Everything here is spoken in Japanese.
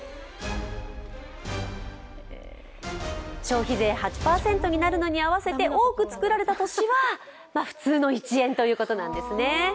消費税８％になるのに合わせて多く作られた年は普通の１円ということなんですね。